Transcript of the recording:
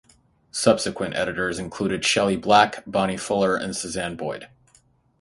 Subsequent editors included Shelley Black, Bonnie Fuller, and Suzanne Boyd.